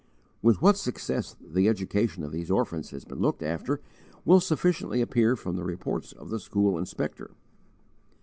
With what success the education of these orphans has been looked after will sufficiently appear from the reports of the school inspector.